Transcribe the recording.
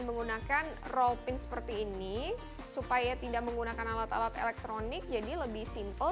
menggunakan roll pin seperti ini supaya tidak menggunakan alat alat elektronik jadi lebih simple